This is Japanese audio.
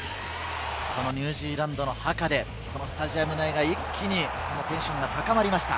ニュージーランドのハカで、スタジアム内が一気にテンションが高まりました。